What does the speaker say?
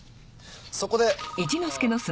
そこで。